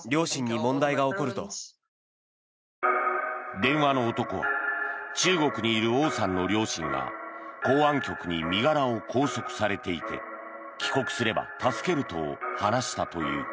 電話の男は中国にいるオウさんの両親が公安局に身柄を拘束されていて帰国すれば助けると話をしたという。